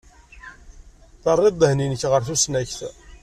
Terrid ddehn-nnek ɣer tusnakt.